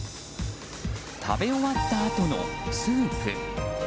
食べ終わったあとのスープ。